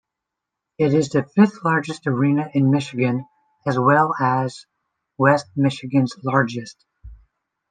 It is the fifth-largest arena in Michigan, as well as West Michigan's largest.